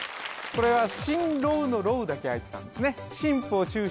これは新郎の「ろう」だけあいてたんですね